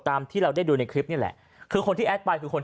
ตามที่เราได้ดูในคลิปนี่แหละคือคนที่แอดไปคือคน